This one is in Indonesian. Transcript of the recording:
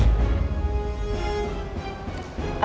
apa maksud kamu tahu semuanya